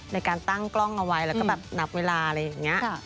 ในการตั้งกล้องเอาไว้แล้วก็แบบนับเวลาอะไรอย่างนี้